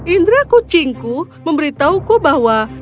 indra kucingku memberitahuku bahwa